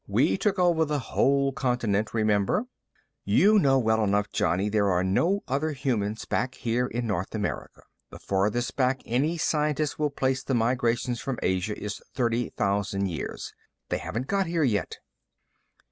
We took over the whole continent, remember." "You know well enough, Johnny, there are no other humans back here in North America. The farthest back any scientist will place the migrations from Asia is 30,000 years. They haven't got here yet."